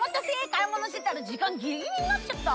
買い物してたら時間ギリギリになっちゃった。